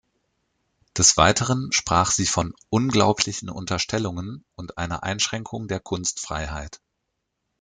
Des Weiteren sprach sie von „unglaublichen Unterstellungen“ und einer Einschränkung der Kunstfreiheit.